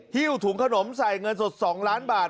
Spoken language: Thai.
หิ้วถุงขนมใส่เงินสด๒ล้านบาท